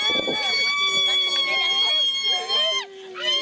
ออกมาเอาเรียน